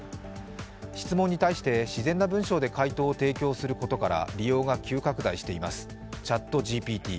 質問に対して自然な文章で回答を提供することから利用が急拡大していますＣｈａｔＧＰＴ。